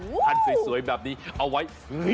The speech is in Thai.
ถัดสวยแบบนี้เอาไว้